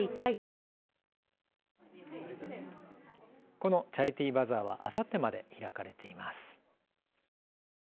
このチャリティーバザーはあさってまで開かれています。